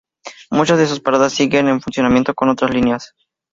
Muchas de sus paradas siguen en funcionamiento con otras líneas.